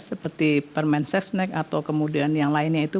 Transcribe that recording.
seperti permen sesnek atau kemudian yang lainnya itu